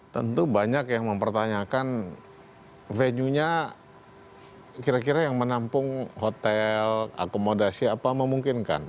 tentu banyak yang mempertanyakan venue nya kira kira yang menampung hotel akomodasi apa memungkinkan